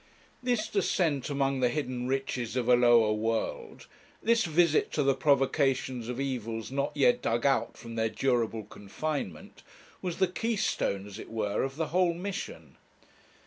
This descent among the hidden riches of a lower world, this visit to the provocations of evils not yet dug out from their durable confinement, was the keystone, as it were, of the whole mission.